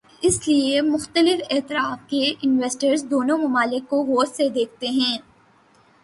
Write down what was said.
اس لیے مختلف اطراف کے انویسٹر دونوں ممالک کو غور سے دیکھتے ہیں۔